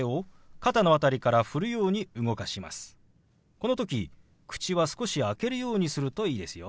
この時口は少し開けるようにするといいですよ。